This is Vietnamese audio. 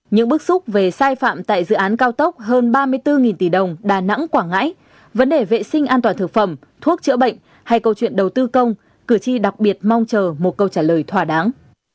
những bức xúc về sai phạm tại dự án cao tốc hơn ba mươi bốn tỷ đồng đà nẵng quảng ngãi vấn đề vệ sinh an toàn thực phẩm thuốc chữa bệnh hay câu chuyện đầu tư công cử tri đặc biệt mong chờ một câu trả lời thỏa đáng